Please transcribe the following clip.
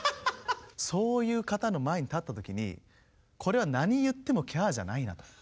そういう方の前に立った時にこれは何言ってもキャーじゃないなと。